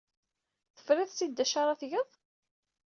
Tefrid-tt-id d acu ara tged?